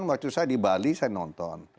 ya juga viking